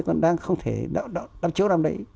còn đang không thể đắp chiếu làm đấy